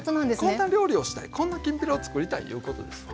こんな料理をしたいこんなきんぴらをつくりたいいうことですわ。